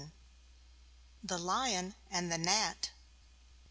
The Lion And The Gnat.